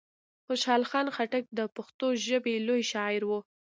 خوشحال خان خټک د پښتو ژبي لوی شاعر وو.